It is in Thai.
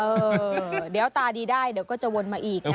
เออเดี๋ยวตาดีได้เดี๋ยวก็จะวนมาอีกนะ